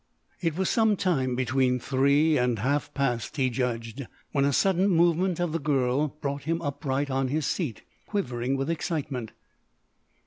It was some time between three and half past, he judged, when a sudden movement of the girl brought him upright on his seat, quivering with excitement.